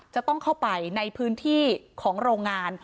จะต้องเข้าไปในพื้นที่ของโรงงาน